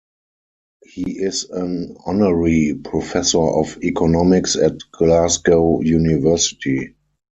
He is an honorary Professor of economics at Glasgow University.